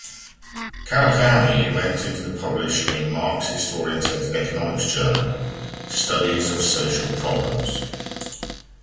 Kawakami went on to publish a Marxist-oriented economics journal, Studies of Social Problems.